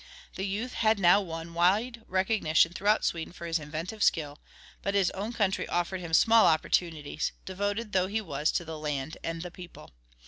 The youth had now won wide recognition throughout Sweden for his inventive skill. But his own country offered him small opportunities, devoted though he was to the land and the people.